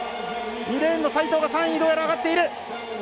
２レーンの齋藤が３位にどうやら上がっている！